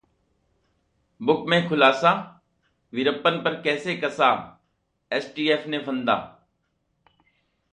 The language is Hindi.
बुक में खुलासा, वीरप्पन पर कैसे कसा एसटीएफ ने फंदा